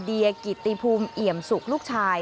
เดียกิติภูมิเอี่ยมสุกลูกชาย